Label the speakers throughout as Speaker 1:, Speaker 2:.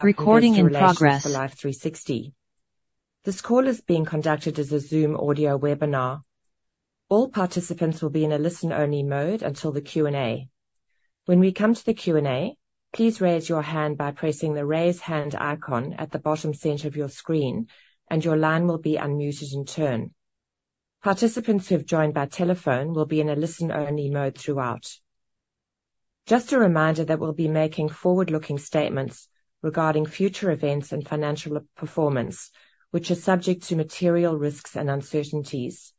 Speaker 1: Recording in progress for Life360. This call is being conducted as a Zoom audio webinar. All participants will be in a listen-only mode until the Q&A. When we come to the Q&A, please raise your hand by pressing the Raise Hand icon at the bottom center of your screen, and your line will be unmuted in turn. Participants who have joined by telephone will be in a listen-only mode throughout. Just a reminder that we'll be making forward-looking statements regarding future events and financial performance, which are subject to material risks and uncertainties.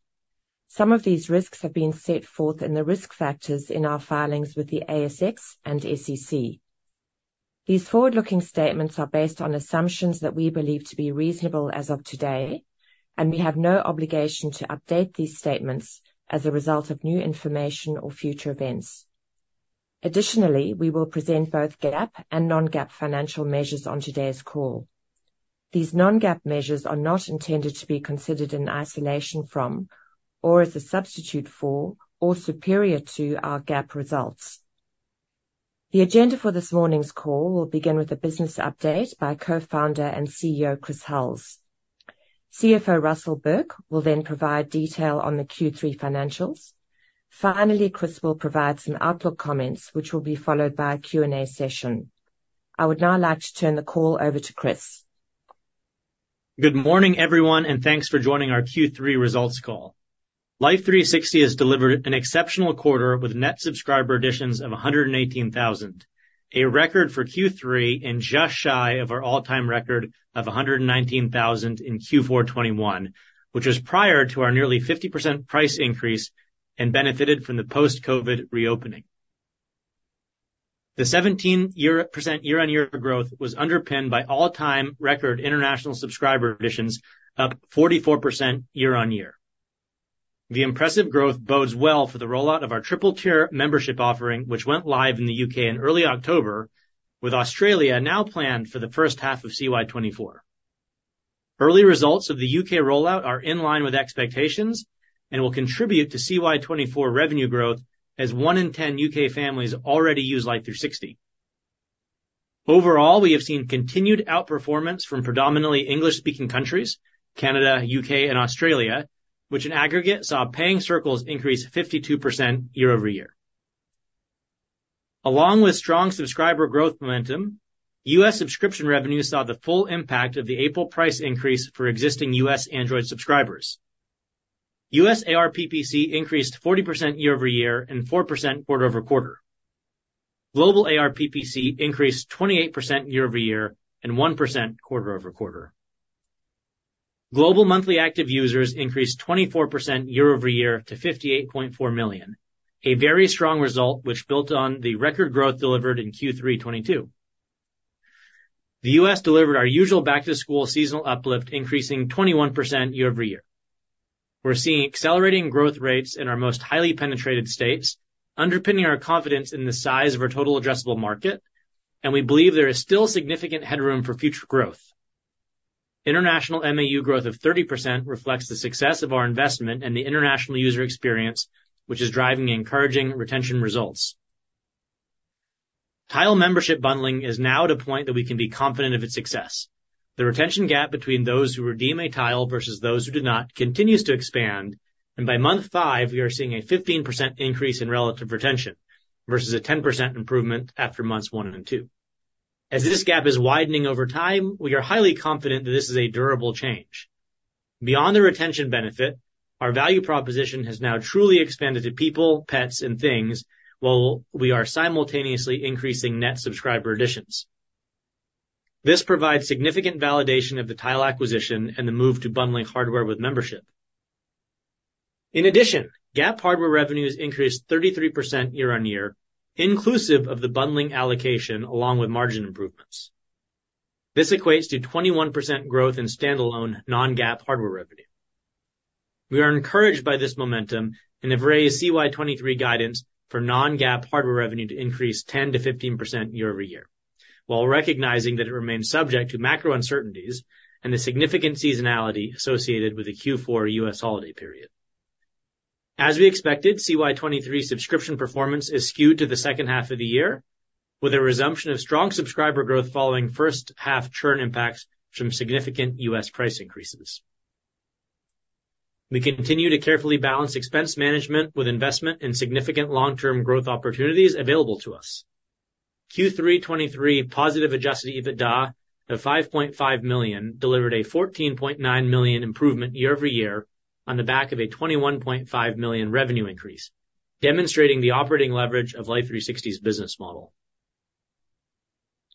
Speaker 1: Some of these risks have been set forth in the risk factors in our filings with the ASX and SEC. These forward-looking statements are based on assumptions that we believe to be reasonable as of today, and we have no obligation to update these statements as a result of new information or future events. Additionally, we will present both GAAP and non-GAAP financial measures on today's call. These non-GAAP measures are not intended to be considered in isolation from or as a substitute for or superior to our GAAP results. The agenda for this morning's call will begin with a business update by Co-founder and CEO Chris Hulls. CFO Russell Burke will then provide detail on the Q3 financials. Finally, Chris will provide some outlook comments, which will be followed by a Q&A session. I would now like to turn the call over to Chris.
Speaker 2: Good morning, everyone, and thanks for joining our Q3 results call. Life360 has delivered an exceptional quarter with net subscriber additions of 118,000, a record for Q3 and just shy of our all-time record of 119,000 in Q4 2021, which was prior to our nearly 50% price increase and benefited from the post-COVID reopening. The 17% year-on-year growth was underpinned by all-time record international subscriber additions, up 44% year-on-year. The impressive growth bodes well for the rollout of our triple-tier membership offering, which went live in the U.K. in early October, with Australia now planned for the first half of CY 2024. Early results of the U.K. rollout are in line with expectations and will contribute to CY 2024 revenue growth, as one in ten U.K. families already use Life360. Overall, we have seen continued outperformance from predominantly English-speaking countries, Canada, U.K., and Australia, which in aggregate, saw Paying Circles increase 52% year-over-year. Along with strong subscriber growth momentum, U.S. Subscription revenue saw the full impact of the April price increase for existing U.S. Android subscribers. U.S. ARPPC increased 40% year-over-year and 4% quarter-over-quarter. Global ARPPC increased 28% year-over-year and 1% quarter-over-quarter. Global monthly active users increased 24% year-over-year to 58.4 million, a very strong result, which built on the record growth delivered in Q3 2022. The U.S. delivered our usual back-to-school seasonal uplift, increasing 21% year-over-year. We're seeing accelerating growth rates in our most highly penetrated states, underpinning our confidence in the size of our total addressable market, and we believe there is still significant headroom for future growth. International MAU growth of 30% reflects the success of our investment and the international user experience, which is driving encouraging retention results. Tile membership bundling is now at a point that we can be confident of its success. The retention gap between those who redeem a Tile versus those who do not, continues to expand, and by month five, we are seeing a 15% increase in relative retention versus a 10% improvement after months one and two. As this gap is widening over time, we are highly confident that this is a durable change. Beyond the retention benefit, our value proposition has now truly expanded to people, pets, and things, while we are simultaneously increasing net subscriber additions. This provides significant validation of the Tile acquisition and the move to bundling Hardware with membership. In addition, GAAP Hardware revenues increased 33% year-over-year, inclusive of the bundling allocation along with margin improvements. This equates to 21% growth in standalone non-GAAP Hardware revenue. We are encouraged by this momentum and have raised CY 2023 guidance for non-GAAP Hardware revenue to increase 10%-15% year-over-year, while recognizing that it remains subject to macro uncertainties and the significant seasonality associated with the Q4 U.S. holiday period. As we expected, CY 2023 Subscription performance is skewed to the second half of the year, with a resumption of strong subscriber growth following first half churn impacts from significant U.S. price increases. We continue to carefully balance expense management with investment in significant long-term growth opportunities available to us. Q3 2023 positive Adjusted EBITDA of $5.5 million delivered a $14.9 million improvement year-over-year on the back of a $21.5 million revenue increase, demonstrating the operating leverage of Life360's business model.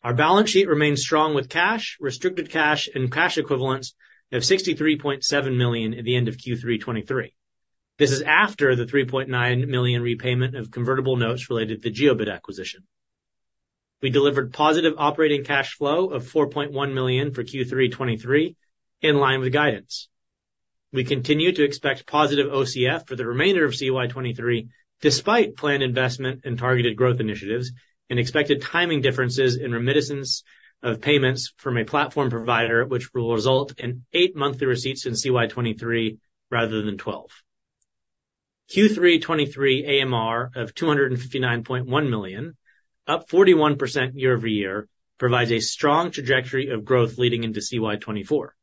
Speaker 2: Our balance sheet remains strong with cash, restricted cash, and cash equivalents of $63.7 million at the end of Q3 2023. This is after the $3.9 million repayment of convertible notes related to the Jiobit acquisition. We delivered positive operating cash flow of $4.1 million for Q3 2023, in line with guidance. We continue to expect positive OCF for the remainder of CY 2023, despite planned investment in targeted growth initiatives and expected timing differences in remittances of payments from a platform provider, which will result in eight monthly receipts in CY 2023 rather than 12. Q3 2023 AMR of $259.1 million, up 41% year-over-year, provides a strong trajectory of growth leading into CY 2024.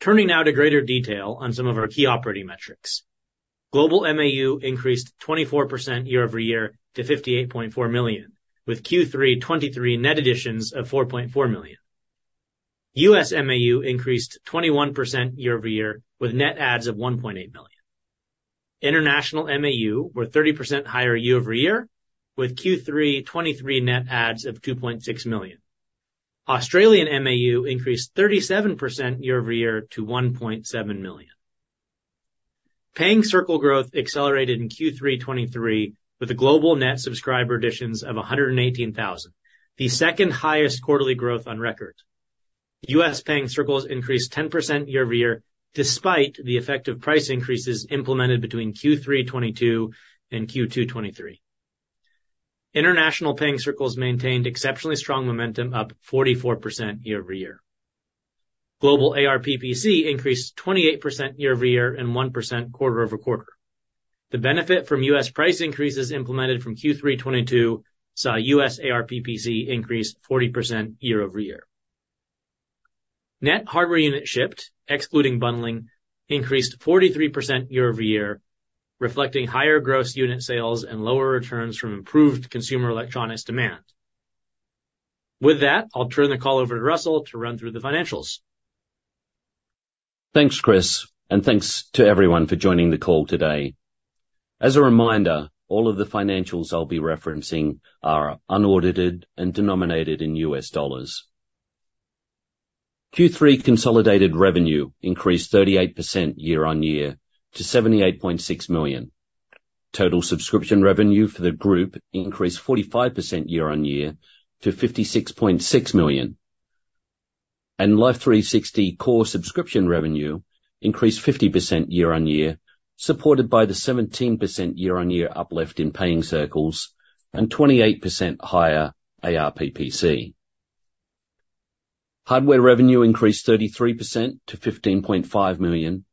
Speaker 2: Turning now to greater detail on some of our key operating metrics. Global MAU increased 24% year-over-year to 58.4 million, with Q3 2023 net additions of 4.4 million. U.S. MAU increased 21% year-over-year, with net adds of 1.8 million. International MAU were 30% higher year-over-year, with Q3 2023 net adds of 2.6 million. Australian MAU increased 37% year-over-year to 1.7 million. Paying Circle growth accelerated in Q3 2023, with a global net subscriber additions of 118,000, the second highest quarterly growth on record. U.S. Paying Circles increased 10% year-over-year, despite the effective price increases implemented between Q3 2022 and Q2 2023. International Paying Circles maintained exceptionally strong momentum, up 44% year-over-year. Global ARPPC increased 28% year-over-year and 1% quarter-over-quarter. The benefit from U.S. price increases implemented from Q3 2022 saw U.S. ARPPC increase 40% year-over-year. Net Hardware unit shipped, excluding bundling, increased 43% year-over-year, reflecting higher gross unit sales and lower returns from improved consumer electronics demand. With that, I'll turn the call over to Russell to run through the financials.
Speaker 3: Thanks, Chris, and thanks to everyone for joining the call today. As a reminder, all of the financials I'll be referencing are unaudited and denominated in U.S. dollars. Q3 consolidated revenue increased 38% year-over-year to $78.6 million. Total Subscription revenue for the group increased 45% year-over-year to $56.6 million, and Life360 core Subscription revenue increased 50% year-over-year, supported by the 17% year-over-year uplift in Paying Circles and 28% higher ARPPC. Hardware revenue increased 33% to $15.5 million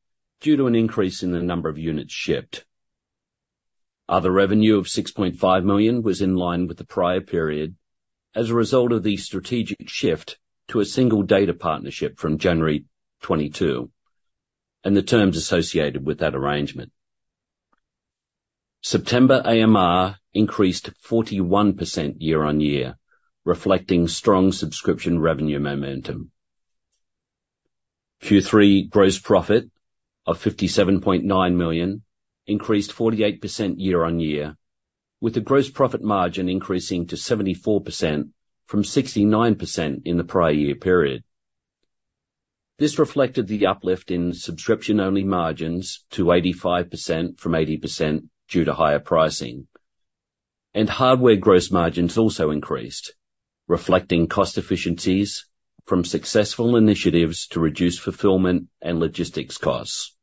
Speaker 3: due to an increase in the number of units shipped. Other revenue of $6.5 million was in line with the prior period as a result of the strategic shift to a single data partnership from January 2022 and the terms associated with that arrangement. September AMR increased 41% year-on-year, reflecting strong Subscription revenue momentum. Q3 gross profit of $57.9 million increased 48% year-on-year, with the gross profit margin increasing to 74% from 69% in the prior year period. This reflected the uplift in Subscription-only margins to 85% from 80% due to higher pricing, and Hardware gross margins also increased, reflecting cost efficiencies from successful initiatives to reduce fulfillment and logistics costs.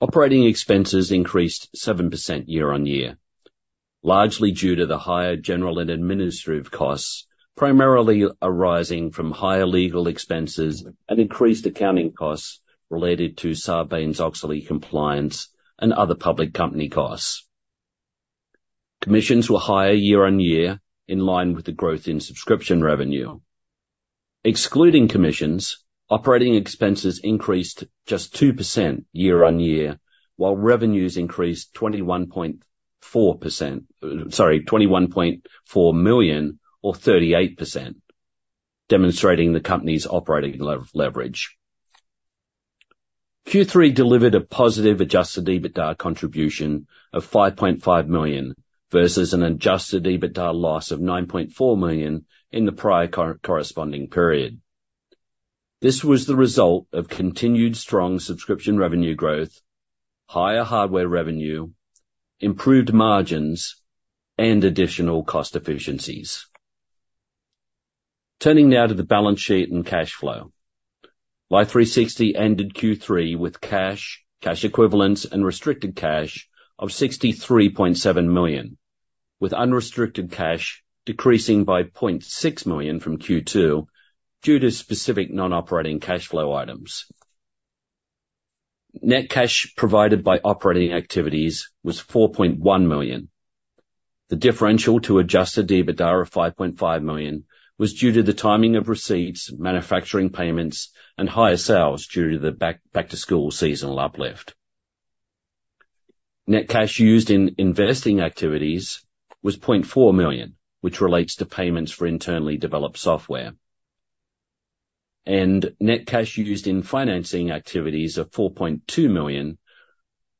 Speaker 3: Operating expenses increased 7% year-on-year, largely due to the higher general and administrative costs, primarily arising from higher legal expenses and increased accounting costs related to Sarbanes-Oxley compliance and other public company costs. Commissions were higher year-on-year, in line with the growth in Subscription revenue. Excluding commissions, operating expenses increased just 2% year-on-year, while revenues increased 21.4%—sorry, $21.4 million or 38%, demonstrating the company's operating leverage. Q3 delivered a positive Adjusted EBITDA contribution of $5.5 million versus an Adjusted EBITDA loss of $9.4 million in the prior corresponding period. This was the result of continued strong Subscription revenue growth, higher Hardware revenue, improved margins, and additional cost efficiencies. Turning now to the balance sheet and cash flow. Life360 ended Q3 with cash, cash equivalents and restricted cash of $63.7 million, with unrestricted cash decreasing by $0.6 million from Q2 due to specific non-operating cash flow items. Net cash provided by operating activities was $4.1 million. The differential to Adjusted EBITDA of $5.5 million was due to the timing of receipts, manufacturing payments, and higher sales due to the back-to-school seasonal uplift. Net cash used in investing activities was $0.4 million, which relates to payments for internally developed software. Net cash used in financing activities of $4.2 million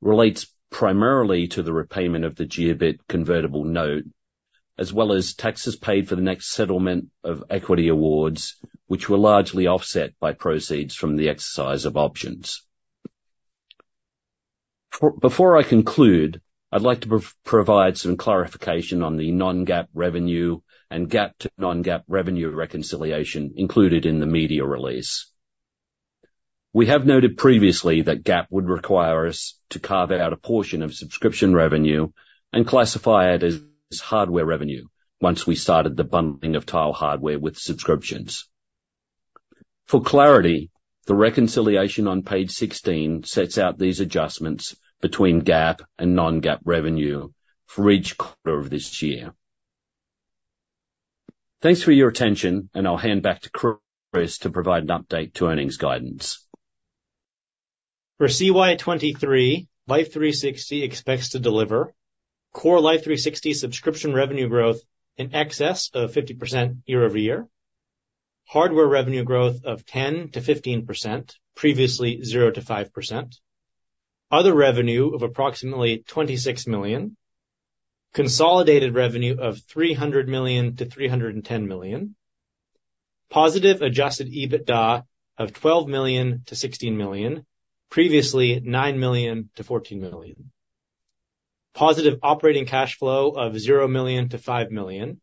Speaker 3: relates primarily to the repayment of the Jiobit convertible note, as well as taxes paid for the net settlement of equity awards, which were largely offset by proceeds from the exercise of options. Before I conclude, I'd like to provide some clarification on the non-GAAP revenue and GAAP to non-GAAP revenue reconciliation included in the media release. We have noted previously that GAAP would require us to carve out a portion of Subscription revenue and classify it as Hardware revenue once we started the bundling of Tile Hardware with Subscriptions. For clarity, the reconciliation on page 16 sets out these adjustments between GAAP and non-GAAP revenue for each quarter of this year. Thanks for your attention, and I'll hand back to Chris to provide an update to earnings guidance.
Speaker 2: For CY 2023, Life360 expects to deliver core Life360 Subscription revenue growth in excess of 50% year-over-year, Hardware revenue growth of 10%-15%, previously 0%-5%. Other revenue of approximately $26 million. Consolidated revenue of $300 million-$310 million. Positive adjusted EBITDA of $12 million-$16 million, previously $9 million-$14 million. Positive operating cash flow of $0 million-$5 million,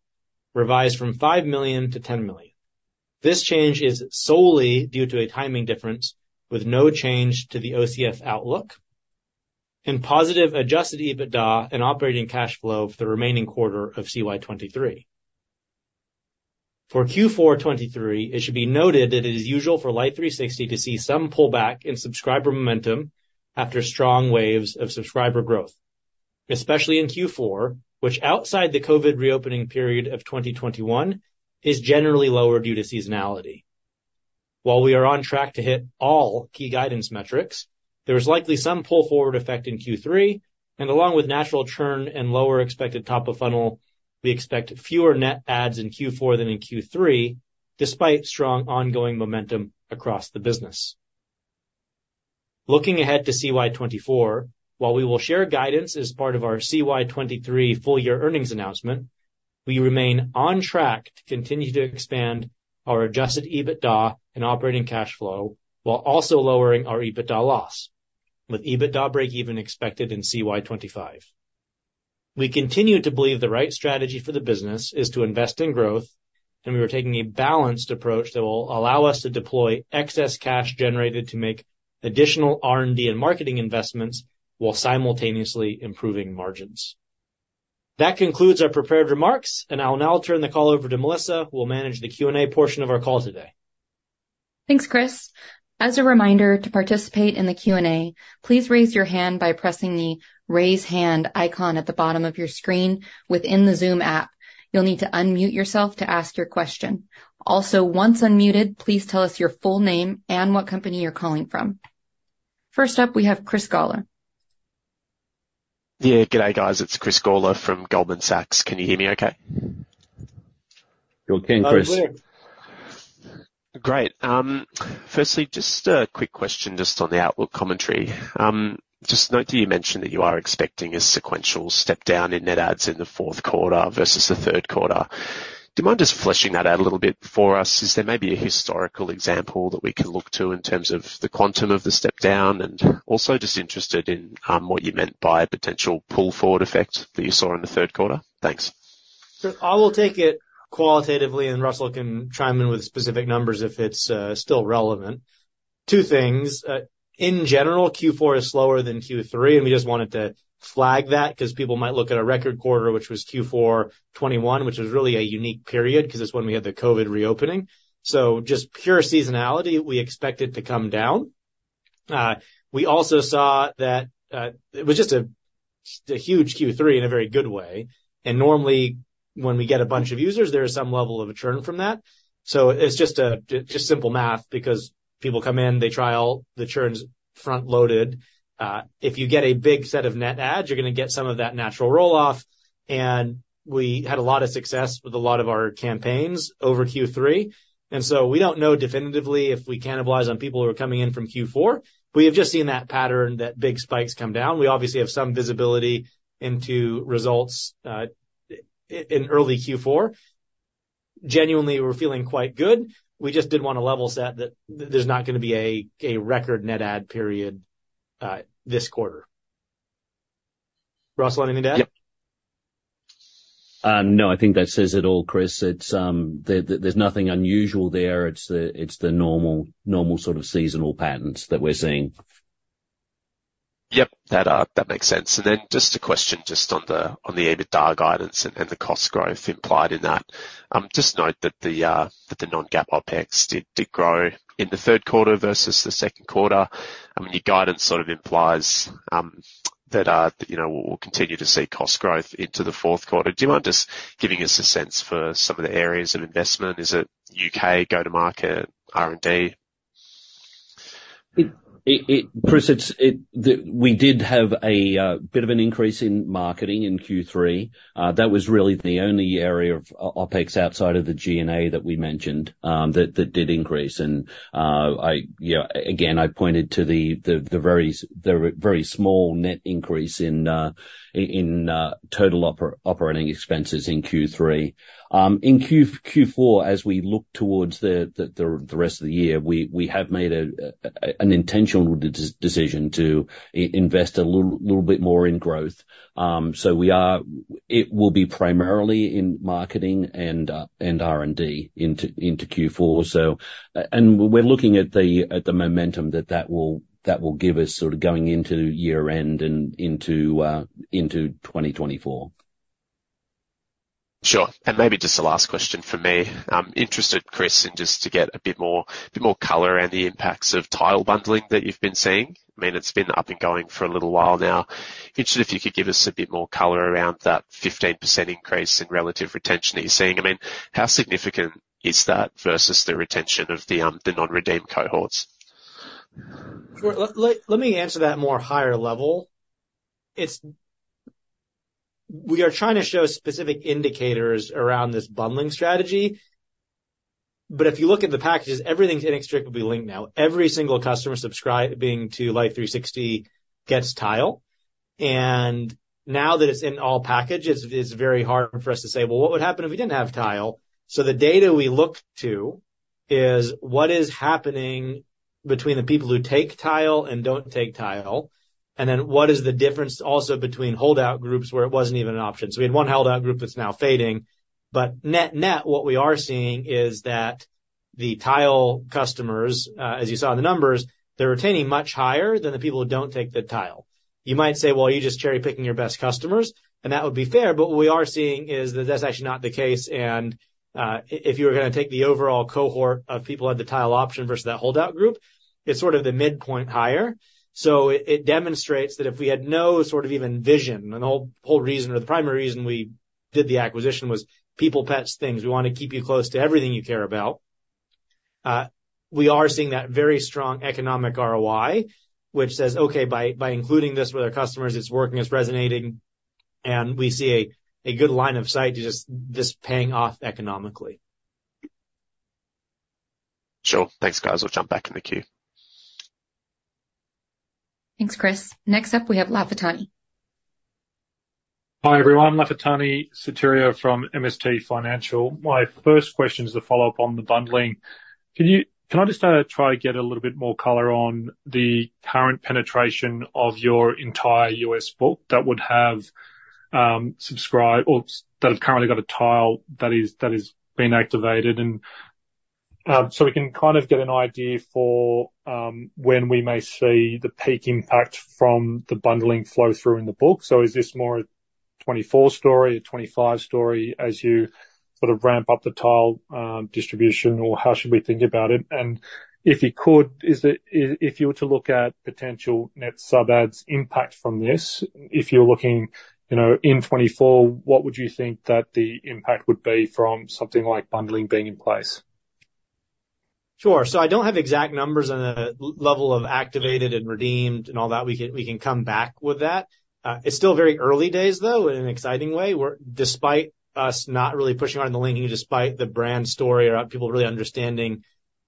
Speaker 2: revised from $5 million-$10 million. This change is solely due to a timing difference, with no change to the OCF outlook, and positive adjusted EBITDA and operating cash flow for the remaining quarter of CY 2023. For Q4 2023, it should be noted that it is usual for Life360 to see some pullback in subscriber momentum after strong waves of subscriber growth, especially in Q4, which outside the COVID reopening period of 2021, is generally lower due to seasonality. While we are on track to hit all key guidance metrics, there is likely some pull forward effect in Q3, and along with natural churn and lower expected top of funnel, we expect fewer net adds in Q4 than in Q3, despite strong ongoing momentum across the business. Looking ahead to CY 2024, while we will share guidance as part of our CY 2023 full-year earnings announcement, we remain on track to continue to expand our Adjusted EBITDA and operating cash flow, while also lowering our EBITDA loss, with EBITDA breakeven expected in CY 2025. We continue to believe the right strategy for the business is to invest in growth, and we are taking a balanced approach that will allow us to deploy excess cash generated to make additional R&D and marketing investments, while simultaneously improving margins. That concludes our prepared remarks, and I'll now turn the call over to Melissa, who will manage the Q&A portion of our call today.
Speaker 4: Thanks, Chris. As a reminder, to participate in the Q&A, please raise your hand by pressing the Raise Hand icon at the bottom of your screen within the Zoom app. You'll need to unmute yourself to ask your question. Also, once unmuted, please tell us your full name and what company you're calling from. First up, we have Chris Gawler.
Speaker 5: Yeah. Good day, guys. It's Chris Gawler from Goldman Sachs. Can you hear me okay?
Speaker 3: You're okay, Chris.
Speaker 2: We're good.
Speaker 5: Great. Firstly, just a quick question just on the outlook commentary. Just note that you mentioned that you are expecting a sequential step down in net adds in the fourth quarter versus the third quarter. Do you mind just fleshing that out a little bit for us? Is there maybe a historical example that we can look to in terms of the quantum of the step down, and also just interested in what you meant by a potential pull forward effect that you saw in the third quarter? Thanks.
Speaker 2: Sure. I will take it qualitatively, and Russell can chime in with specific numbers if it's still relevant. Two things, in general, Q4 is slower than Q3, and we just wanted to flag that, 'cause people might look at a record quarter, which was Q4 2021, which was really a unique period, 'cause it's when we had the COVID reopening. So just pure seasonality, we expect it to come down. We also saw that, it was just a huge Q3 in a very good way, and normally, when we get a bunch of users, there is some level of churn from that. So it's just simple math, because people come in, they try out, the churn's front loaded. If you get a big set of net adds, you're gonna get some of that natural roll-off, and we had a lot of success with a lot of our campaigns over Q3, and so we don't know definitively if we cannibalize on people who are coming in from Q4. We have just seen that pattern, that big spikes come down. We obviously have some visibility into results in early Q4. Genuinely, we're feeling quite good. We just did want to level set that there's not gonna be a record net add period this quarter. Russell, anything to add?
Speaker 3: Yep. No, I think that says it all, Chris. It's... There's nothing unusual there. It's the normal, normal sort of seasonal patterns that we're seeing.
Speaker 5: Yep, that makes sense. Then just a question on the EBITDA guidance and the cost growth implied in that. Just note that the non-GAAP OpEx did grow in the third quarter versus the second quarter. I mean, your guidance sort of implies that you know, we'll continue to see cost growth into the fourth quarter. Do you mind just giving us a sense for some of the areas of investment? Is it U.K., go-to-market, R&D?
Speaker 3: Chris, we did have a bit of an increase in marketing in Q3. That was really the only area of OpEx outside of the G&A that we mentioned that did increase. And, you know, again, I pointed to the very small net increase in total operating expenses in Q3. In Q4, as we look towards the rest of the year, we have made an intentional decision to invest a little bit more in growth. So it will be primarily in marketing and R&D into Q4. We're looking at the momentum that will give us sort of going into year-end and into 2024.
Speaker 5: Sure. And maybe just the last question for me. Interested, Chris, and just to get a bit more, a bit more color around the impacts of Tile bundling that you've been seeing. I mean, it's been up and going for a little while now. Interested if you could give us a bit more color around that 15% increase in relative retention that you're seeing. I mean, how significant is that versus the retention of the, the non-redeemed cohorts?
Speaker 2: Sure. Let me answer that at a higher level. It's. We are trying to show specific indicators around this bundling strategy, but if you look at the packages, everything's inextricably linked now. Every single customer subscribing to Life360 gets Tile, and now that it's in all packages, it's very hard for us to say, "Well, what would happen if we didn't have Tile?" So the data we look to is what is happening between the people who take Tile and don't take Tile, and then what is the difference also between holdout groups where it wasn't even an option. So we had one holdout group that's now fading, but net, net, what we are seeing is that the Tile customers, as you saw in the numbers, they're retaining much higher than the people who don't take the Tile. You might say, "Well, you're just cherry-picking your best customers," and that would be fair, but what we are seeing is that that's actually not the case. If you were gonna take the overall cohort of people who had the Tile option versus that holdout group, it's sort of the midpoint higher. So it demonstrates that if we had no sort of even vision, and the whole, whole reason or the primary reason we did the acquisition was people, pets, things. We want to keep you close to everything you care about. We are seeing that very strong economic ROI, which says, "Okay, by, by including this with our customers, it's working, it's resonating," and we see a good line of sight to just this paying off economically.
Speaker 5: Sure. Thanks, guys. We'll jump back in the queue.
Speaker 4: Thanks, Chris. Next up, we have Lafitani.
Speaker 6: Hi, everyone. Lafitani Sotiriou from MST Financial. My first question is a follow-up on the bundling. Can you... Can I just try to get a little bit more color on the current penetration of your entire U.S. book that would have subscribed or that have currently got a Tile that is, that is being activated? And, so we can kind of get an idea for when we may see the peak impact from the bundling flow through in the book. So is this more a 2024 story, a 2025 story, as you sort of ramp up the Tile distribution, or how should we think about it? If you could, if you were to look at potential net sub adds impact from this, if you're looking, you know, in 2024, what would you think that the impact would be from something like bundling being in place?
Speaker 2: Sure. So I don't have exact numbers on the level of activated and redeemed and all that. We can, we can come back with that. It's still very early days, though, in an exciting way, where despite us not really pushing on the linking, despite the brand story or people really understanding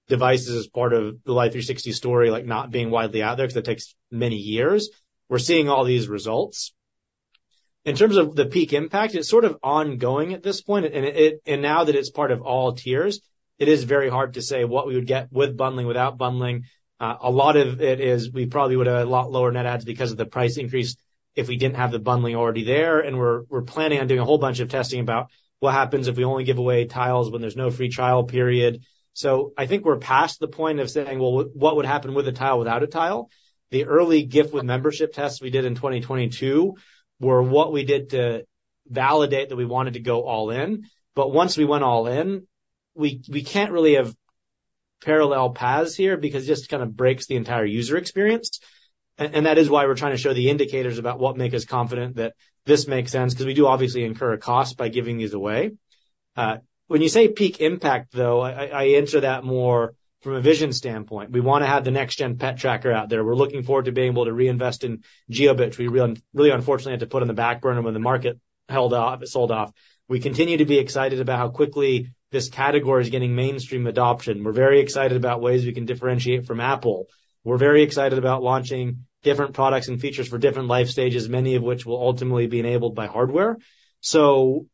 Speaker 2: devices as part of the Life360 story, like, not being widely out there, because it takes many years, we're seeing all these results. In terms of the peak impact, it's sort of ongoing at this point, and it... And now that it's part of all tiers, it is very hard to say what we would get with bundling, without bundling. A lot of it is we probably would have a lot lower net adds because of the price increase if we didn't have the bundling already there, and we're planning on doing a whole bunch of testing about what happens if we only give away Tile when there's no free trial period. So I think we're past the point of saying, "Well, what would happen with a Tile, without a Tile?" The early gift with membership tests we did in 2022 were what we did to validate that we wanted to go all in. But once we went all in, we can't really have parallel paths here because it just kind of breaks the entire user experience. That is why we're trying to show the indicators about what make us confident that this makes sense, because we do obviously incur a cost by giving these away. When you say peak impact, though, I enter that more from a vision standpoint. We wanna have the next-gen pet tracker out there. We're looking forward to being able to reinvest in Jiobit. We really, really unfortunately had to put on the back burner when the market sold off. We continue to be excited about how quickly this category is getting mainstream adoption. We're very excited about ways we can differentiate from Apple. We're very excited about launching different products and features for different life stages, many of which will ultimately be enabled by Hardware. So,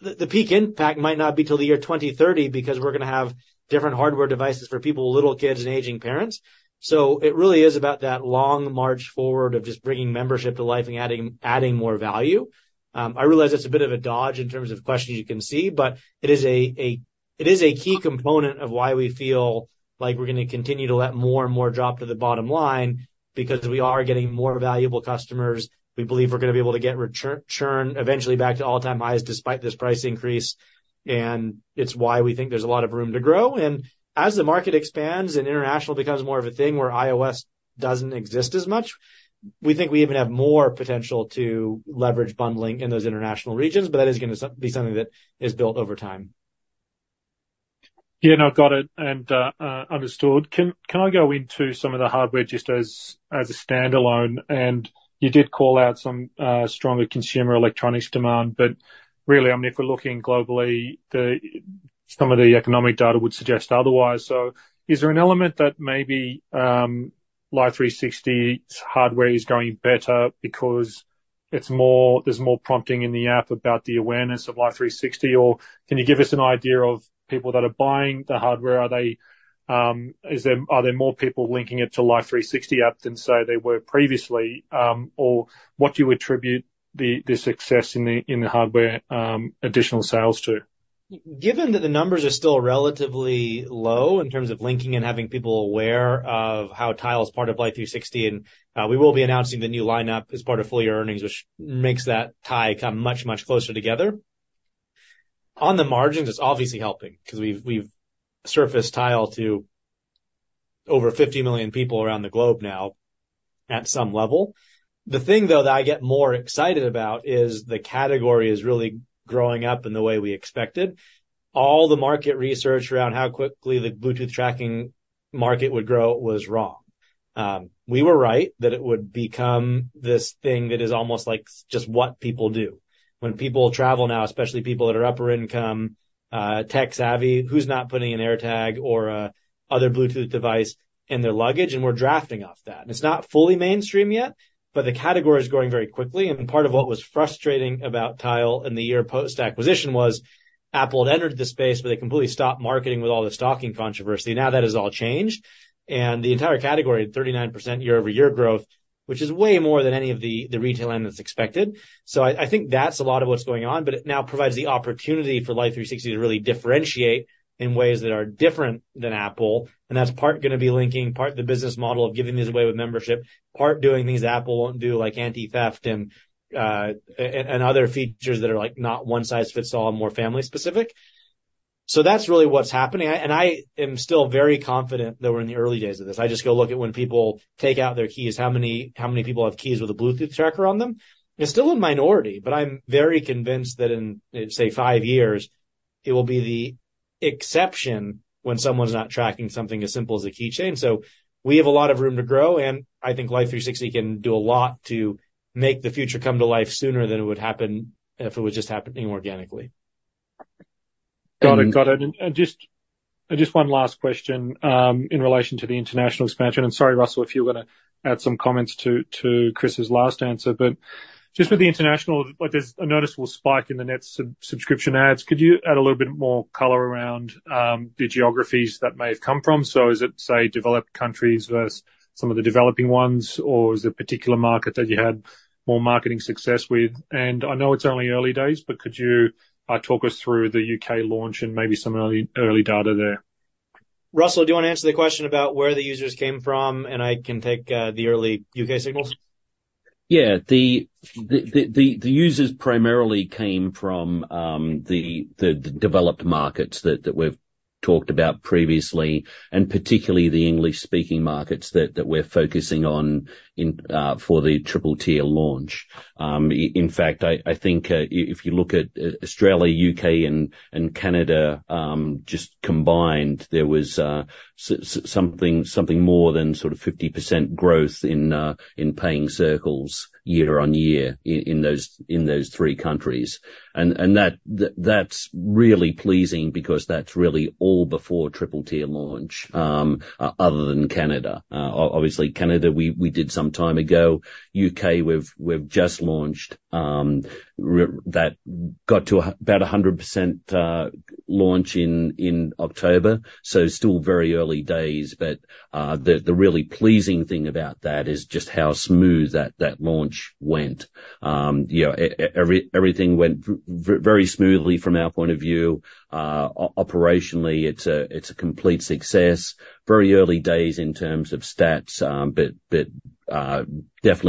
Speaker 2: the peak impact might not be till the year 2030, because we're gonna have different Hardware devices for people with little kids and aging parents. So it really is about that long march forward of just bringing membership to life and adding more value. I realize it's a bit of a dodge in terms of questions you can see, but it is a key component of why we feel like we're gonna continue to let more and more drop to the bottom line because we are getting more valuable customers. We believe we're gonna be able to get return churn eventually back to all-time highs, despite this price increase, and it's why we think there's a lot of room to grow. As the market expands and international becomes more of a thing where iOS doesn't exist as much, we think we even have more potential to leverage bundling in those international regions, but that is gonna be something that is built over time.
Speaker 6: Yeah, no, got it, and understood. Can I go into some of the Hardware just as a standalone? And you did call out some stronger consumer electronics demand, but really, I mean, if we're looking globally, some of the economic data would suggest otherwise. So is there an element that maybe Life360's Hardware is going better because there's more prompting in the app about the awareness of Life360? Or can you give us an idea of people that are buying the Hardware? Are there more people linking it to Life360 app than, say, there were previously? Or what do you attribute the success in the Hardware additional sales to?
Speaker 2: Given that the numbers are still relatively low in terms of linking and having people aware of how Tile is part of Life360, and we will be announcing the new lineup as part of full-year earnings, which makes that tie come much, much closer together. On the margins, it's obviously helping, 'cause we've surfaced Tile to over 50 million people around the globe now, at some level. The thing, though, that I get more excited about, is the category is really growing up in the way we expected. All the market research around how quickly the Bluetooth tracking market would grow was wrong. We were right, that it would become this thing that is almost like just what people do. When people travel now, especially people that are upper income, tech savvy, who's not putting an AirTag or another Bluetooth device in their luggage? And we're drafting off that. And it's not fully mainstream yet, but the category is growing very quickly, and part of what was frustrating about Tile in the year post-acquisition was, Apple had entered the space, but they completely stopped marketing with all the stalking controversy. Now, that has all changed, and the entire category, at 39% year-over-year growth, which is way more than any of the, the retail analysts expected. So I, I think that's a lot of what's going on, but it now provides the opportunity for Life360 to really differentiate in ways that are different than Apple. And that's part gonna be linking, part the business model of giving these away with membership, part doing things Apple won't do, like anti-theft and other features that are, like, not one size fits all, and more family specific. So that's really what's happening. And I am still very confident that we're in the early days of this. I just go look at when people take out their keys, how many, how many people have keys with a Bluetooth tracker on them? It's still a minority, but I'm very convinced that in, say, five years, it will be the exception when someone's not tracking something as simple as a keychain. So we have a lot of room to grow, and I think Life360 can do a lot to make the future come to life sooner than it would happen if it was just happening organically.
Speaker 6: Got it, got it. And just one last question in relation to the international expansion. Sorry, Russell, if you were gonna add some comments to Chris's last answer. But just with the international, like, there's a noticeable spike in the net Subscription adds. Could you add a little bit more color around the geographies that may have come from? So is it, say, developed countries versus some of the developing ones, or is there a particular market that you had more marketing success with? And I know it's only early days, but could you talk us through the U.K. launch and maybe some early data there?
Speaker 2: Russell, do you wanna answer the question about where the users came from, and I can take the early U.K. signals?
Speaker 3: Yeah. The users primarily came from the developed markets that we've talked about previously, and particularly the English-speaking markets that we're focusing on for the Triple Tier launch. In fact, I think if you look at Australia, U.K., and Canada just combined, there was something more than sort of 50% growth in paying circles year-on-year in those three countries. And that that's really pleasing because that's really all before Triple Tier launch. Other than Canada. Obviously, Canada, we did some time ago. U.K., we've just launched that got to about 100% launch in October, so still very early days. But the really pleasing thing about that is just how smooth that launch went. You know, everything went very smoothly from our point of view. Operationally, it's a complete success. Very early days in terms of stats, but definitely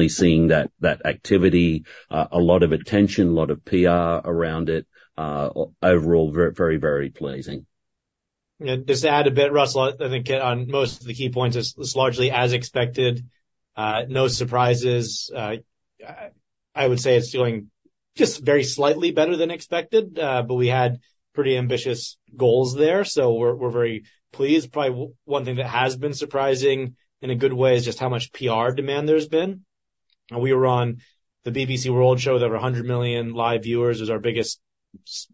Speaker 3: seeing that activity, a lot of attention, a lot of PR around it. Overall, very, very pleasing.
Speaker 2: Yeah, just to add a bit, Russell, I think on most of the key points, it's largely as expected, no surprises. I would say it's doing just very slightly better than expected, but we had pretty ambitious goals there, so we're very pleased. Probably one thing that has been surprising, in a good way, is just how much PR demand there's been. We were on the BBC World show that was 100 million live viewers; it was our biggest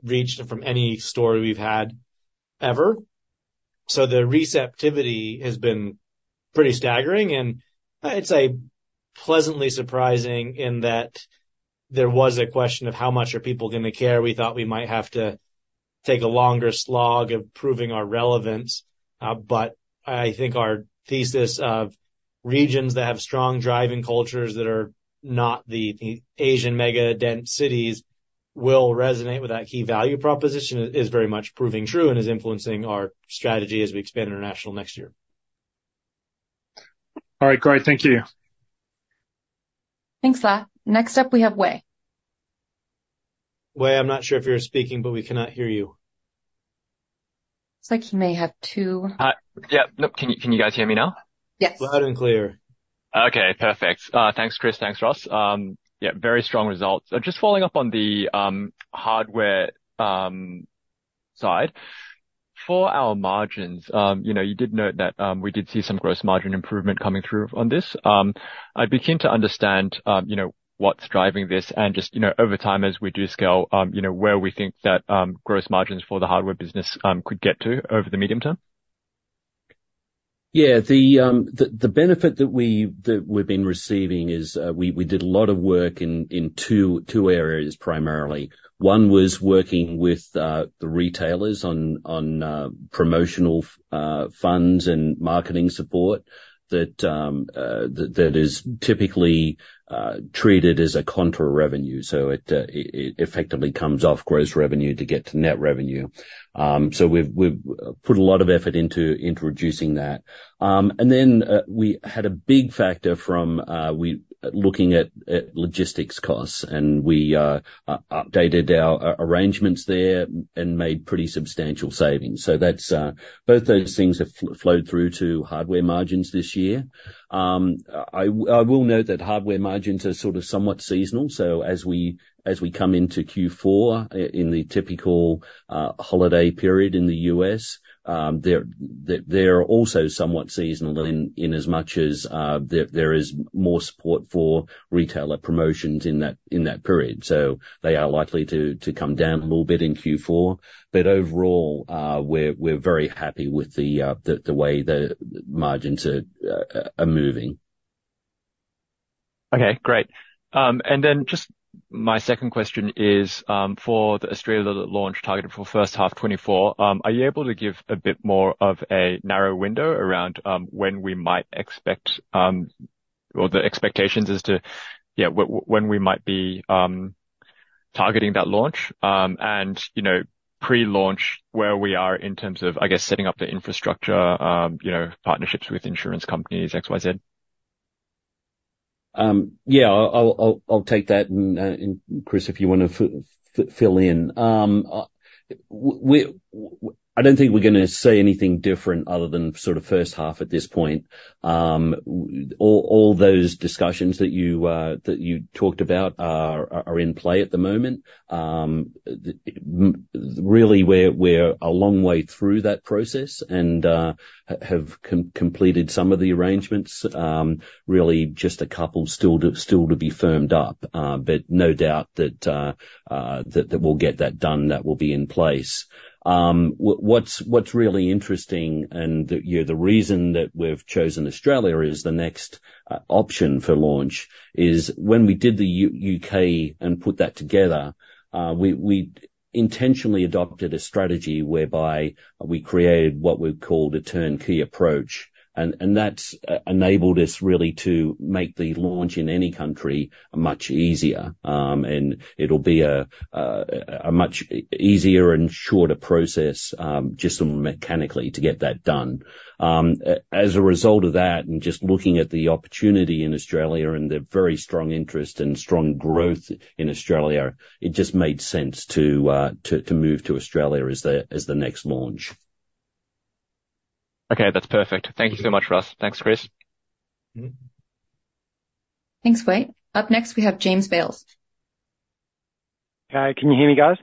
Speaker 2: reach from any story we've had, ever. So the receptivity has been pretty staggering, and I'd say pleasantly surprising in that there was a question of how much are people gonna care? We thought we might have to take a longer slog of proving our relevance, but I think our thesis of regions that have strong driving cultures, that are not the Asian mega dense cities, will resonate with that key value proposition, is very much proving true, and is influencing our strategy as we expand international next year.
Speaker 6: All right. Great. Thank you.
Speaker 4: Thanks, La. Next up, we have Wei.
Speaker 2: Wei, I'm not sure if you're speaking, but we cannot hear you.
Speaker 4: It's like he may have two-
Speaker 7: Yeah, no. Can you guys hear me now?
Speaker 4: Yes.
Speaker 2: Loud and clear.
Speaker 7: Okay, perfect. Thanks, Chris, thanks, Russ. Yeah, very strong results. Just following up on the Hardware side. For our margins, you know, you did note that we did see some gross margin improvement coming through on this. I'd be keen to understand, you know, what's driving this, and just, you know, over time as we do scale, you know, where we think that gross margins for the Hardware business could get to over the medium term?
Speaker 3: Yeah, the benefit that we've been receiving is, we did a lot of work in two areas primarily. One was working with the retailers on promotional funds and marketing support that is typically treated as a contra revenue, so it effectively comes off gross revenue to get to net revenue. So we've put a lot of effort into reducing that. And then we had a big factor from looking at logistics costs, and we updated our arrangements there and made pretty substantial savings. So that's both those things have flowed through to Hardware margins this year. I will note that Hardware margins are sort of somewhat seasonal, so as we come into Q4, in the typical holiday period in the U.S., they're also somewhat seasonal in as much as there is more support for retailer promotions in that period. So they are likely to come down a little bit in Q4. But overall, we're very happy with the way the margins are moving.
Speaker 7: Okay, great. And then just my second question is, for the Australia launch targeted for first half 2024. Are you able to give a bit more of a narrow window around, when we might expect, or the expectations as to, yeah, when we might be targeting that launch? And, you know, pre-launch, where we are in terms of, I guess, setting up the infrastructure, you know, partnerships with insurance companies, XYZ.
Speaker 3: Yeah, I'll take that, and, and Chris, if you wanna fill in. I don't think we're gonna say anything different other than sort of first half at this point. All those discussions that you talked about are in play at the moment. Really, we're a long way through that process and have completed some of the arrangements. Really just a couple still to be firmed up. But no doubt that we'll get that done, that will be in place. What's really interesting and, you know, the reason that we've chosen Australia as the next option for launch is when we did the U.K. and put that together, we intentionally adopted a strategy whereby we created what we've called a turnkey approach. And that's enabled us really to make the launch in any country much easier. And it'll be a much easier and shorter process, just mechanically to get that done. As a result of that, and just looking at the opportunity in Australia and the very strong interest and strong growth in Australia, it just made sense to move to Australia as the next launch.
Speaker 7: Okay, that's perfect. Thank you so much, Russ. Thanks, Chris.
Speaker 2: Mm-hmm.
Speaker 4: Thanks, Wei. Up next, we have James Bales.
Speaker 8: Okay. Can you hear me, guys?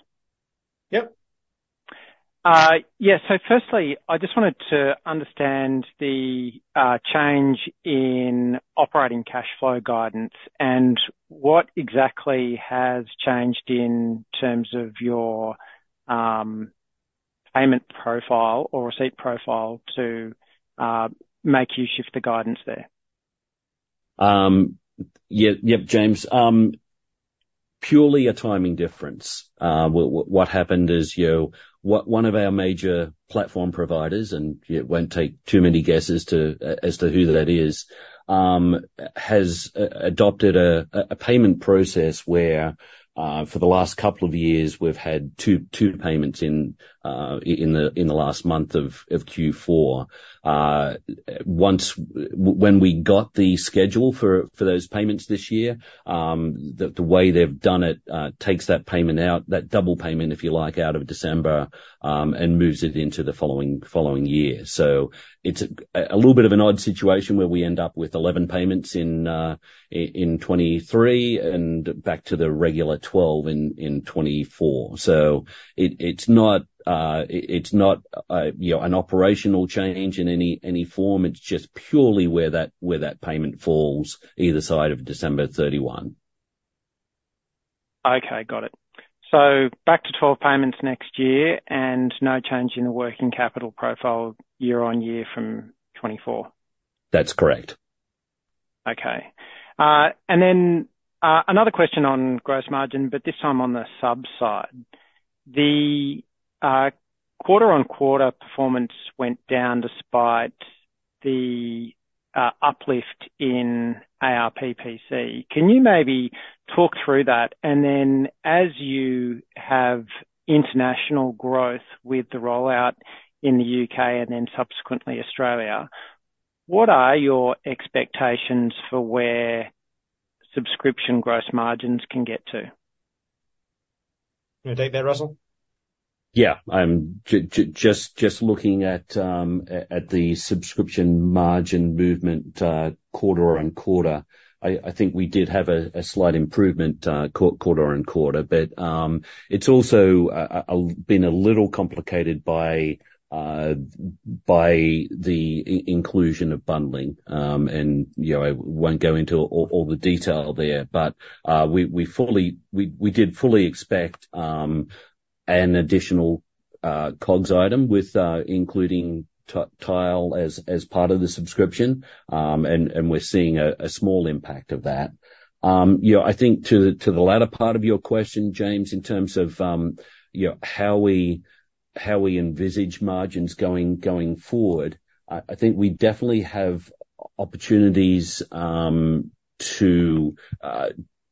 Speaker 2: Yep.
Speaker 8: Yeah, so firstly, I just wanted to understand the change in operating cash flow guidance, and what exactly has changed in terms of your payment profile or receipt profile to make you shift the guidance there?
Speaker 3: Yeah. Yep, James. Purely a timing difference. What happened is, you know, one of our major platform providers, and it won't take too many guesses to, as to who that is, has adopted a payment process where, for the last couple of years we've had two payments in the last month of Q4. Once, when we got the schedule for those payments this year, the way they've done it takes that payment out, that double payment, if you like, out of December, and moves it into the following year. So it's a little bit of an odd situation where we end up with 11 payments in 2023, and back to the regular 12 in 2024. So it's not, you know, an operational change in any form. It's just purely where that payment falls either side of December 31.
Speaker 8: Okay, got it. So back to 12 payments next year, and no change in the working capital profile year on year from '2024?
Speaker 3: That's correct.
Speaker 8: Okay. And then another question on gross margin, but this time on the subs side. The quarter-on-quarter performance went down despite the uplift in ARPPC. Can you maybe talk through that? And then as you have international growth with the rollout in the U.K. and then subsequently Australia, what are your expectations for where Subscription gross margins can get to?
Speaker 2: You wanna take that, Russell?
Speaker 3: Yeah, just looking at the Subscription margin movement quarter-on-quarter. I think we did have a slight improvement quarter-on-quarter. But it's also been a little complicated by the inclusion of bundling. And you know, I won't go into all the detail there, but we fully... We did fully expect an additional COGS item with including Tile as part of the Subscription. And we're seeing a small impact of that. You know, I think to the latter part of your question, James, in terms of, you know, how we envisage margins going forward, I think we definitely have opportunities to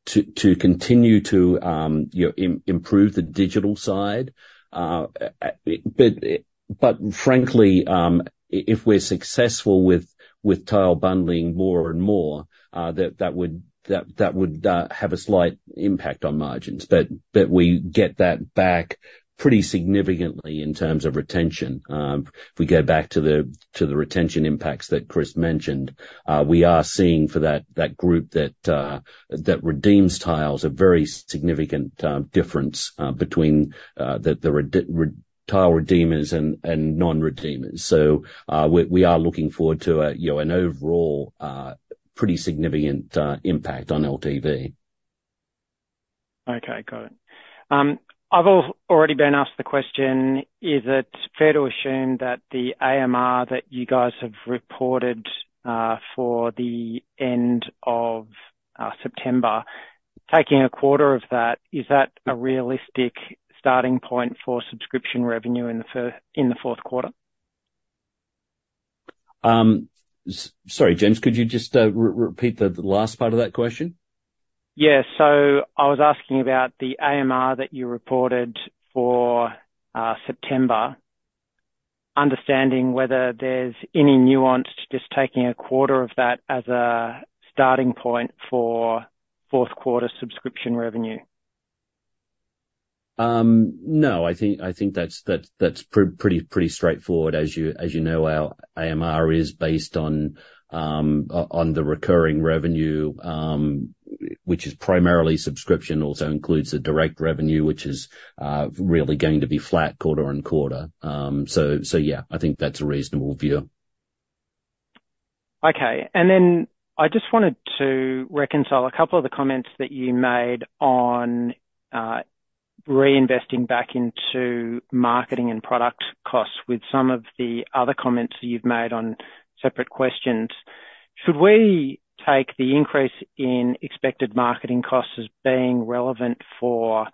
Speaker 3: continue to, you know, improve the digital side. But frankly, if we're successful with Tile bundling more and more, that would have a slight impact on margins. But we get that back pretty significantly in terms of retention. If we go back to the retention impacts that Chris mentioned, we are seeing for that group that redeems Tiles, a very significant difference between the Tile redeemers and non-redeemers. We are looking forward to a, you know, an overall pretty significant impact on LTV.
Speaker 8: Okay, got it. I've already been asked the question: Is it fair to assume that the AMR that you guys have reported for the end of September, taking a quarter of that, is that a realistic starting point for Subscription revenue in the fourth quarter?
Speaker 3: Sorry, James, could you just repeat the last part of that question?
Speaker 8: Yeah. So I was asking about the AMR that you reported for September, understanding whether there's any nuance to just taking a quarter of that as a starting point for fourth quarter Subscription revenue.
Speaker 3: No, I think that's pretty straightforward. As you know, our AMR is based on the recurring revenue, which is primarily Subscription, also includes the direct revenue, which is really going to be flat quarter-over-quarter. Yeah, I think that's a reasonable view.
Speaker 8: Okay. And then I just wanted to reconcile a couple of the comments that you made on reinvesting back into marketing and product costs with some of the other comments you've made on separate questions. Should we take the increase in expected marketing costs as being relevant for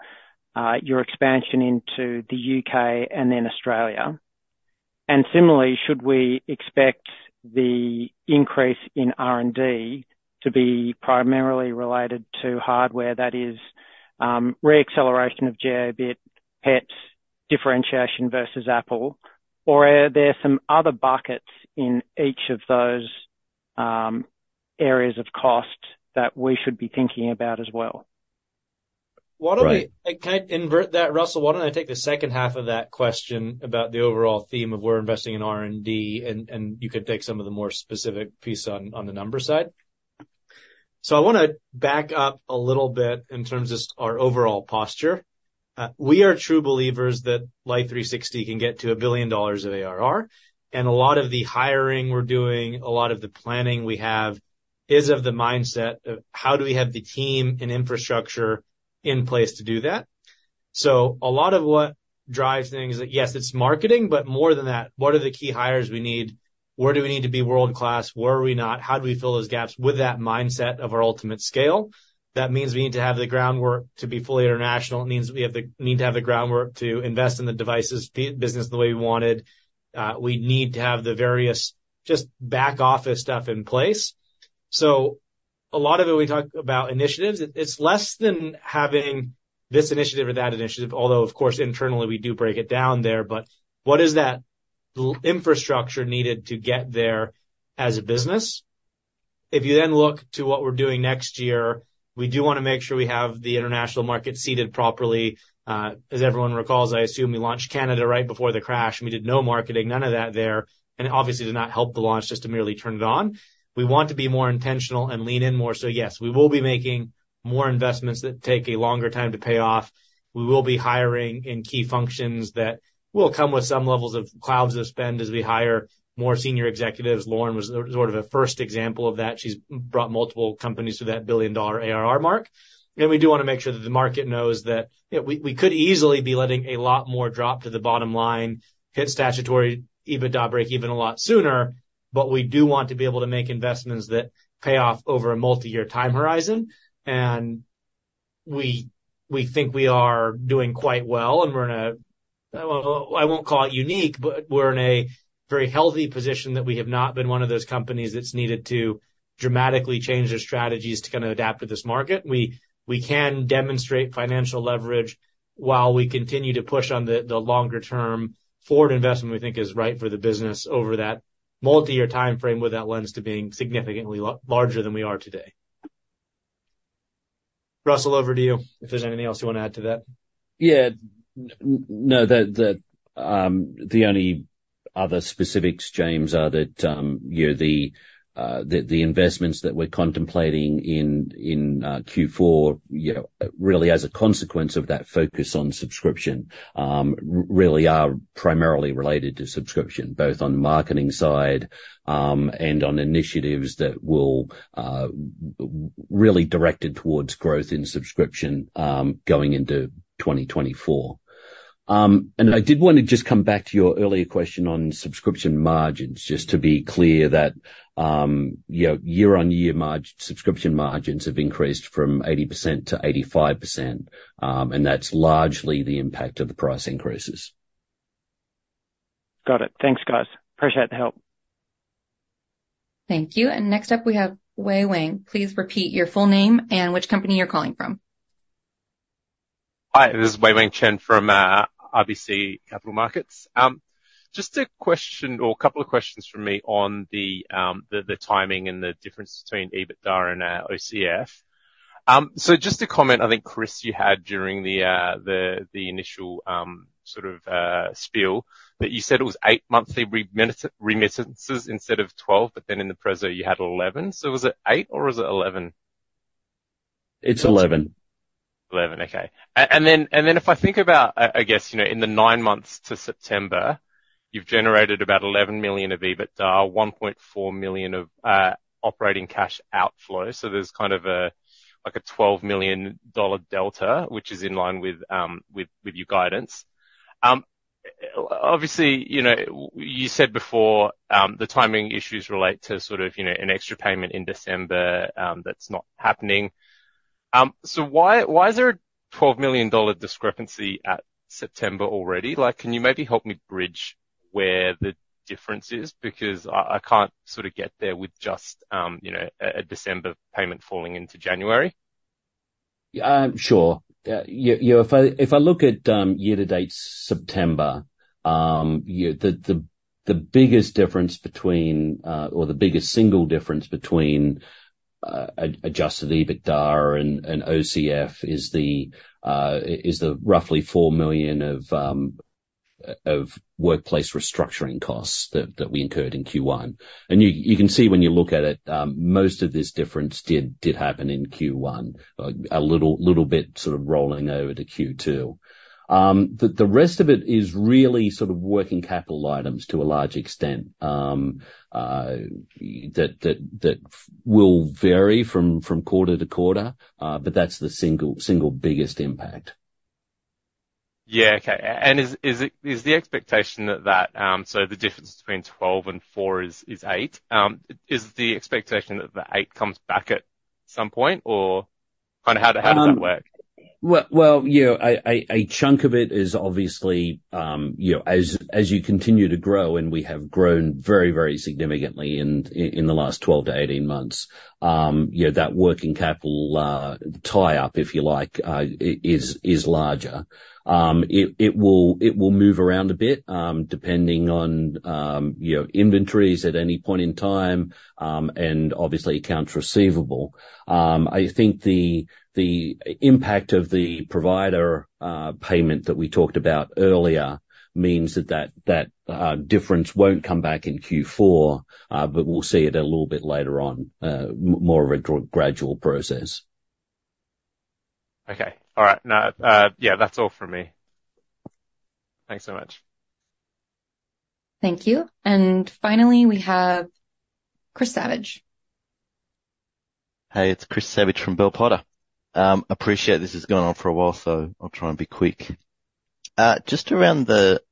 Speaker 8: your expansion into the U.K. and then Australia? And similarly, should we expect the increase in R&D to be primarily related to Hardware that is re-acceleration of Jiobit product differentiation versus Apple, or are there some other buckets in each of those areas of cost that we should be thinking about as well?
Speaker 3: Right.
Speaker 2: Why don't we? Can I invert that, Russell? Why don't I take the second half of that question about the overall theme of we're investing in R&D, and you could take some of the more specific pieces on the number side. So I wanna back up a little bit in terms of our overall posture. We are true believers that Life360 can get to $1 billion of ARR, and a lot of the hiring we're doing, a lot of the planning we have, is of the mindset of: How do we have the team and infrastructure in place to do that? So a lot of what drives things is, yes, it's marketing, but more than that, what are the key hires we need? Where do we need to be world-class? Where are we not? How do we fill those gaps with that mindset of our ultimate scale? That means we need to have the groundwork to be fully international. It means we need to have the groundwork to invest in the devices business the way we wanted. We need to have the various just back office stuff in place. So a lot of it, we talk about initiatives. It's less than having this initiative or that initiative, although, of course, internally, we do break it down there. But what is that infrastructure needed to get there as a business? If you then look to what we're doing next year, we do wanna make sure we have the international market seated properly. As everyone recalls, I assume we launched Canada right before the crash, and we did no marketing, none of that there, and obviously did not help the launch just to merely turn it on. We want to be more intentional and lean in more. So yes, we will be making more investments that take a longer time to pay off. We will be hiring in key functions that will come with some levels of clouds of spend as we hire more senior executives. Lauren was the, sort of a first example of that. She's brought multiple companies to that billion-dollar ARR mark. And we do wanna make sure that the market knows that, you know, we, we could easily be letting a lot more drop to the bottom line, hit statutory EBITDA break even a lot sooner, but we do want to be able to make investments that pay off over a multi-year time horizon. And we, we think we are doing quite well, and we're in a, well, I won't call it unique, but we're in a very healthy position that we have not been one of those companies that's needed to dramatically change their strategies to kinda adapt to this market. We, we can demonstrate financial leverage while we continue to push on the, the longer term forward investment we think is right for the business over that multi-year timeframe, with that lens to being significantly larger than we are today. Russell, over to you, if there's anything else you want to add to that?
Speaker 3: Yeah. No, the only other specifics, James, are that, you know, the investments that we're contemplating in Q4, you know, really as a consequence of that focus on Subscription, really are primarily related to Subscription, both on the marketing side, and on initiatives that will, really directed towards growth in Subscription, going into 2024. And I did want to just come back to your earlier question on Subscription margins, just to be clear that, you know, year-on-year Subscription margins have increased from 80% to 85%, and that's largely the impact of the price increases.
Speaker 2: Got it. Thanks, guys. Appreciate the help.
Speaker 4: Thank you, and next up, we have Wei-Weng Chen. Please repeat your full name and which company you're calling from.
Speaker 9: Hi, this is Wei-Weng Chen from RBC Capital Markets. Just a question or a couple of questions from me on the timing and the difference between EBITDA and OCF. So just a comment, I think, Chris, you had during the initial sort of spiel. That you said it was eight monthly remittances instead of 12, but then in the preso, you had 11. So was it eight, or was it 11?
Speaker 3: It's 11.
Speaker 9: 11. Okay. And then, and then if I think about, I guess, you know, in the nine months to September, you've generated about $11 million of EBITDA, $1.4 million of operating cash outflow. So there's kind of a, like a $12 million delta, which is in line with your guidance. Obviously, you know, you said before, the timing issues relate to sort of, you know, an extra payment in December, that's not happening. So why is there a $12 million discrepancy at September already? Like, can you maybe help me bridge where the difference is? Because I can't sort of get there with just, you know, a December payment falling into January.
Speaker 3: Sure. You know, if I look at year to date, September, you know, the biggest difference between, or the biggest single difference between, Adjusted EBITDA and OCF is the roughly $4 million of workplace restructuring costs that we incurred in Q1. And you can see when you look at it, most of this difference did happen in Q1, a little bit sort of rolling over to Q2. The rest of it is really sort of working capital items to a large extent. That will vary from quarter to quarter, but that's the single biggest impact.
Speaker 9: Yeah. Okay, and is it the expectation that so the difference between 12 and four is eight. Is the expectation that the eight comes back at some point, or kind of how does that work?
Speaker 3: Well, you know, a chunk of it is obviously, you know, as you continue to grow, and we have grown very, very significantly in the last 12-18 months, you know, that working capital tie up, if you like, is larger. It will move around a bit, depending on, you know, inventories at any point in time, and obviously, accounts receivable. I think the impact of the provider payment that we talked about earlier means that difference won't come back in Q4, but we'll see it a little bit later on, more of a gradual process.
Speaker 9: Okay. All right. Now, yeah, that's all from me. Thanks so much.
Speaker 4: Thank you, and finally, we have Chris Savage.
Speaker 10: Hey, it's Chris Savage from Bell Potter. Appreciate this has gone on for a while, so I'll try and be quick. Just around the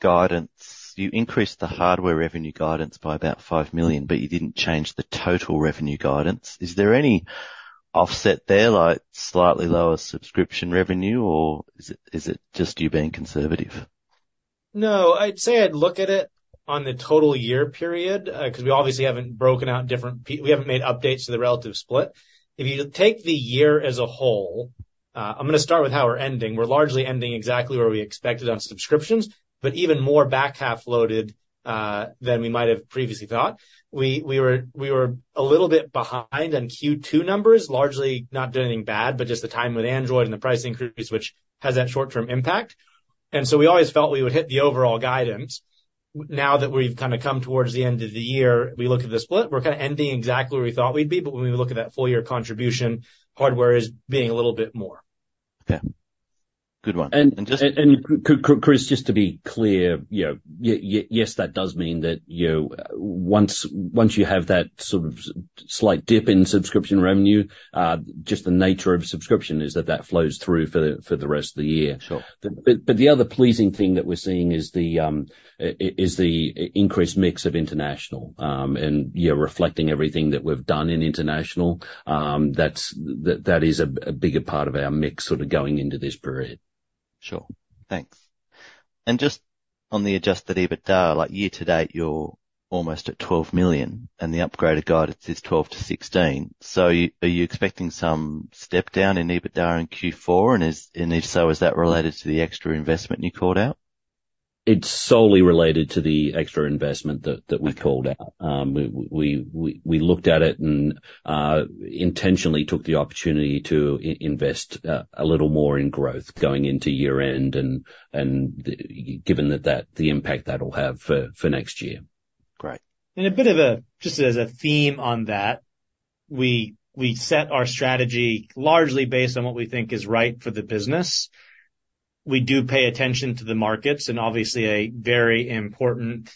Speaker 10: guidance. You increased the Hardware revenue guidance by about $5 million, but you didn't change the total revenue guidance. Is there any offset there, like slightly lower Subscription revenue, or is it just you being conservative? No, I'd say, look at it on the total year period, 'cause we obviously haven't broken out different. We haven't made updates to the relative split. If you take the year as a whole, I'm gonna start with how we're ending. We're largely ending exactly where we expected on subscriptions, but even more back-half loaded than we might have previously thought. We were a little bit behind on Q2 numbers, largely not doing anything bad, but just the timing with Android and the price increase, which has that short-term impact. And so we always felt we would hit the overall guidance. Now that we've kind of come towards the end of the year, we look at the split, we're kind of ending exactly where we thought we'd be, but when we look at that full year contribution, Hardware is being a little bit more. Yeah. Good one.
Speaker 3: And Chris, just to be clear, you know, yes, that does mean that, you know, once, once you have that sort of slight dip in Subscription revenue, just the nature of Subscription is that that flows through for the, for the rest of the year.
Speaker 10: Sure.
Speaker 3: But the other pleasing thing that we're seeing is the increased mix of international. And yeah, reflecting everything that we've done in international, that's. That is a bigger part of our mix sort of going into this period.
Speaker 10: Sure. Thanks. And just on the Adjusted EBITDA, like, year to date, you're almost at $12 million, and the upgraded guidance is $12 million-$16 million. So are you expecting some step down in EBITDA in Q4, and is, and if so, is that related to the extra investment you called out?
Speaker 2: It's solely related to the extra investment that we called out. We looked at it and intentionally took the opportunity to invest a little more in growth going into year-end, and given that the impact that'll have for next year. Great. Just as a theme on that, we set our strategy largely based on what we think is right for the business. We do pay attention to the markets, and obviously, a very important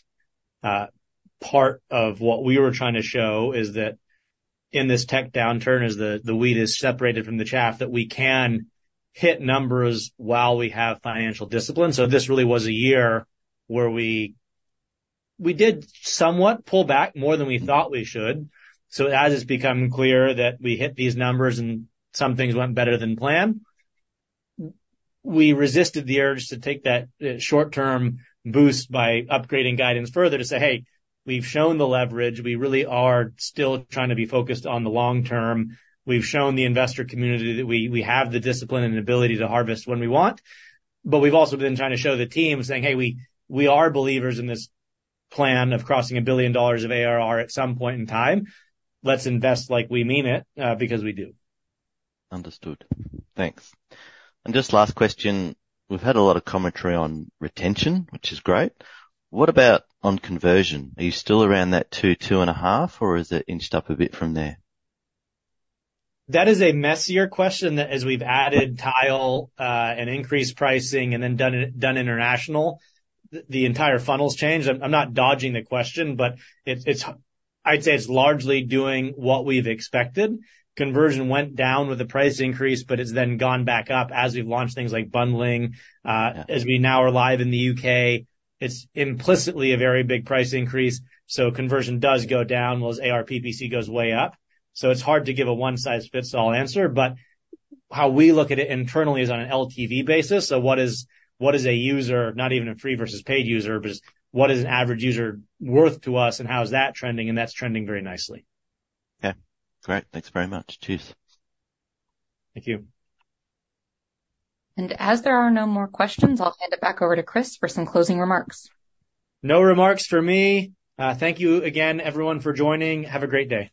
Speaker 2: part of what we were trying to show is that in this tech downturn, as the wheat is separated from the chaff, that we can hit numbers while we have financial discipline. So this really was a year where we did somewhat pull back more than we thought we should. So as it's become clear that we hit these numbers and some things went better than planned, we resisted the urge to take that short-term boost by upgrading guidance further to say, "Hey, we've shown the leverage. We really are still trying to be focused on the long term." We've shown the investor community that we, we have the discipline and ability to harvest when we want, but we've also been trying to show the team, saying, "Hey, we, we are believers in this plan of crossing $1 billion of ARR at some point in time. Let's invest like we mean it, because we do. Understood. Thanks. And just last question: We've had a lot of commentary on retention, which is great. What about on conversion? Are you still around that 2-2.5, or is it inched up a bit from there? That is a messier question, that as we've added Tile, and increased pricing and then done international, the entire funnel's changed. I'm not dodging the question, but it's... I'd say it's largely doing what we've expected. Conversion went down with the price increase, but it's then gone back up as we've launched things like bundling. As we now are live in the U.K., it's implicitly a very big price increase, so conversion does go down, while ARPPC goes way up. So it's hard to give a one-size-fits-all answer, but how we look at it internally is on an LTV basis. So what is, what is a user, not even a free versus paid user, but what is an average user worth to us, and how is that trending? And that's trending very nicely. Okay, great. Thanks very much. Cheers. Thank you.
Speaker 4: As there are no more questions, I'll hand it back over to Chris for some closing remarks.
Speaker 2: No remarks for me. Thank you again, everyone, for joining. Have a great day.